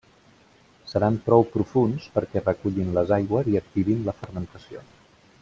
Seran prou profunds perquè recullin les aigües i activin la fermentació.